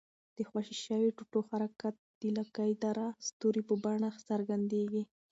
د خوشي شوي ټوټو حرکت د لکۍ داره ستوري په بڼه څرګندیږي.